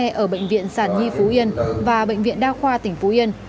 xe xe ở bệnh viện sản nhi phú yên và bệnh viện đa khoa tỉnh phú yên